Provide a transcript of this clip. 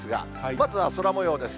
まずは空もようです。